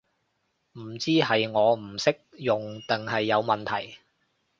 唔知係我唔識用定係有問題